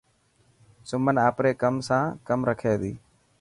سمن آپري ڪم سان ڪم رکي ٿي.